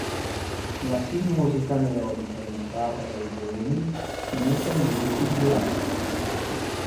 La sinuosità melodica indicata dai neumi si muta in gruppi di durate.